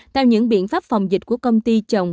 theo những biện pháp phòng dịch của công ty chồng và trường